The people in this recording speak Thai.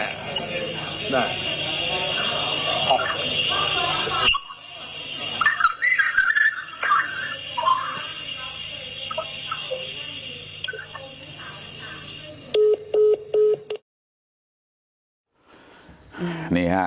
ขอบคุณครับ